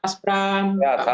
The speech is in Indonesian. selamat malam pak aspram